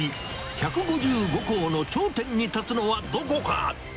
１５５校の頂点に立つのはどこか？